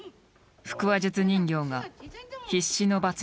腹話術人形が必死の場つなぎ。